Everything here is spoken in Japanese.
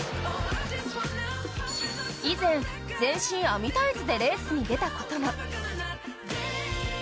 以前、全身網タイツでレースに出たことも。